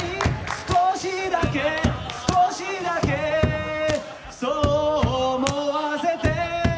少しだけ少しだけそう思わせて。